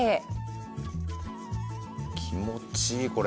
気持ちいいこれ。